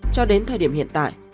cho đến thời điểm hiện tại